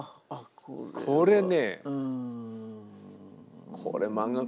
これね。